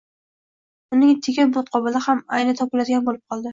uning tekin muqobili ham albatta topiladigan bo’lib qoldi